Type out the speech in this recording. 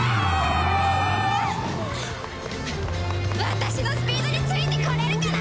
私のスピードについてこれるかな？